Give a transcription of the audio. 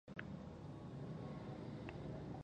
تر پوهې او هنره پورې.